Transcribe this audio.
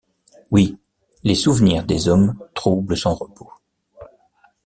Oui: les souvenirs des hommes troublent son repos.